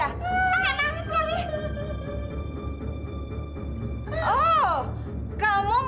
ini hanya kesalahpahaman kecil aja